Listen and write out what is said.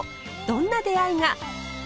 どんな出会いが？